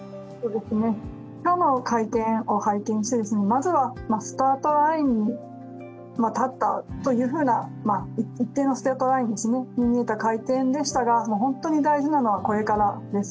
今日の会見を拝見して、まずはスタートラインに立ったという、一定のスタートラインに見えた会見でしたが本当に大事なのはこれからです。